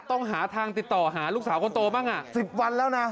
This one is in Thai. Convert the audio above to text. ต้องหาทางติดต่อหาลูกสาวคนโตบ้าง๑๐วันแล้วนะ